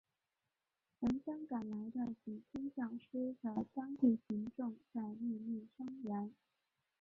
闻声赶来的几千教师的当地群众在面面声援。